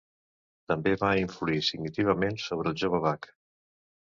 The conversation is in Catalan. També va influir significativament sobre el jove Bach.